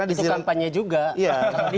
itu kampanye juga